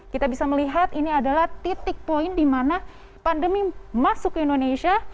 kita bisa melihat ini adalah titik poin di mana pandemi masuk ke indonesia